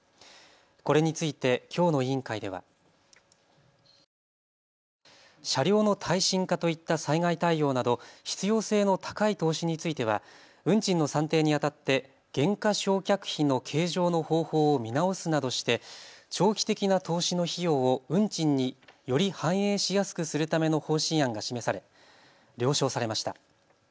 これについてきょうの委員会では、車両の耐震化といった災害対応など必要性の高い投資については運賃の算定にあたって減価償却費の計上の方法を見直すなどして長期的な投資の費用を運賃により反映しやすくするための方針案が示され了承されました。